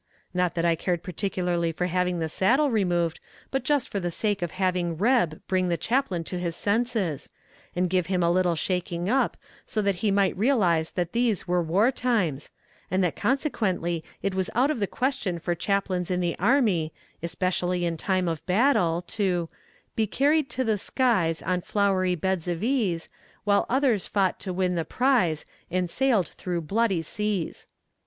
Not that I cared particularly for having the saddle removed, but just for sake of having "Reb" bring the chaplain to his senses, and give him a little shaking up, so that he might realize that these were war times, and that consequently it was out of the question for chaplains in the army, especially in time of battle, to Be carried to the skies On flowery beds of ease; While others fought to win the prize, And sailed through bloody seas.